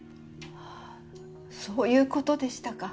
あぁそういうことでしたか。